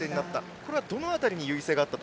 これは、どの辺りに優位性があったと